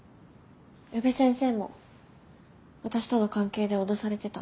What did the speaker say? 宇部先生も私との関係で脅されてた。